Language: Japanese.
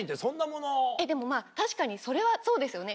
でもまぁ確かにそれはそうですよね。